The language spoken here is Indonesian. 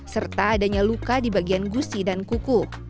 serta adanya luka di bagian gusi dan kuku